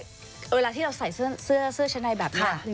เวลาที่เราใส่เสื้อชั้นในแบบนี้